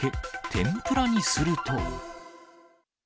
天ぷらにすると。